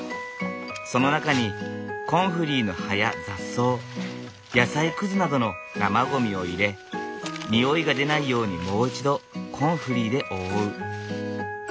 その中にコンフリーの葉や雑草野菜くずなどの生ゴミを入れ臭いが出ないようにもう一度コンフリーで覆う。